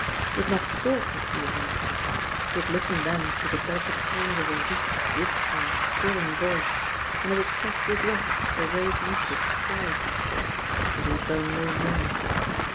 He had not sought to see her. He had listened then to the delicate tones of her weak, whispering, thrilling voice, and had expressed regret for Rose Euclid's plight. But he had done no more.